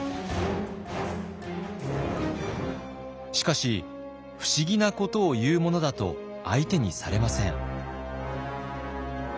しかし不思議なことを言うものだと相手にされません。